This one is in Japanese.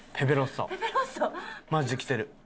マジで来てる。